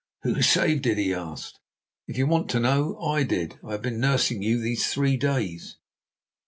"Who saved it?" he asked. "If you want to know, I did; I have been nursing you these three days."